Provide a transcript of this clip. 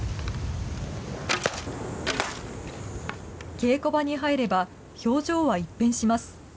稽古場に入れば、表情は一変します。